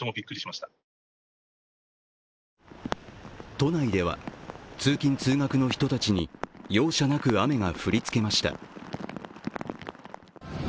都内では通勤・通学の人たちに容赦なく雨が降りつけました。